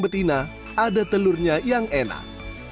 betina ada telurnya yang enak